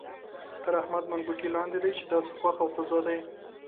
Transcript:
تر احمد منګوټی لاندې دی چې داسې خوښ او تازه دی.